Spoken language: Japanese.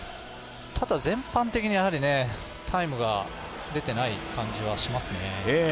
ただ、全般的にタイムが出てない感じはしますね。